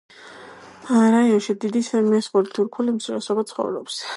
რაიონში დიდი მესხური თურქული უმცირესობა ცხოვრობს.